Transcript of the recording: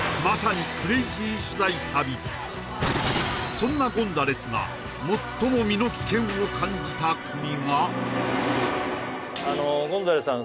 そんなゴンザレスが最も身の危険を感じた国があのゴンザレスさん